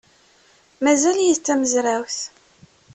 Mazal-iyi d tamezrawt.